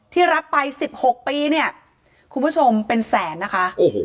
รับไป๑๖ปีเนี่ยคุณผู้ชมเป็นแสนนะคะ